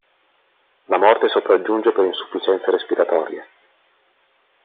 La morte sopraggiunge per insufficienza respiratoria.